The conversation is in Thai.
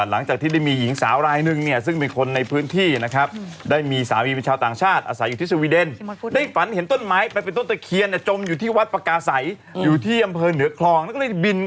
ลงไปเงิมดูหน่อยซิ